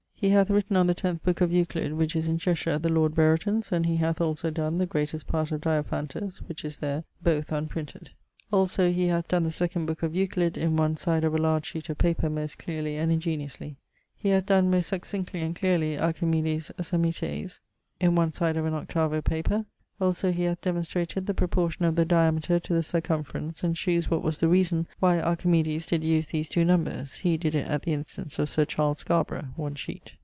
He hath written on the tenth booke of Euclid, which is in Cheshire at the lord Brereton's, and he hath also done the greatest part of Diophantus, which is there both unprinted. Also he hath donne the second booke of Euclid in one side of a large sheet of paper most clearly and ingeniously. He hath donne most succinctly and clearly Archimedis Ψαμμίτης in one side of an 8vo paper. Also he hath demonstrated the proportion of the diameter to the circumference, and shewes what was the reason why Archimedes did use these two numbers he did it at the instance of Sir Charles Scarborough one sheet.